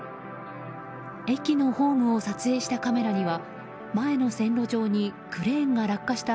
駅のホームを撮影したカメラには前の線路上にクレーンが落下した